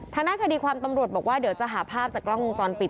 ทางด้านคดีความตำรวจบอกว่าเดี๋ยวจะหาภาพจากกล้องวงจรปิด